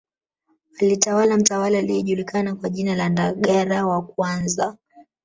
Alitawala mtawala aliyejulikana kwa jina la Ndagara wa kwanza